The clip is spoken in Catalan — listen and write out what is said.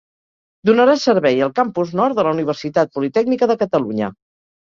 Donarà servei al Campus Nord de la Universitat Politècnica de Catalunya.